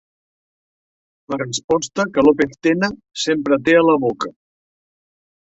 La resposta que López Tena sempre té a la boca.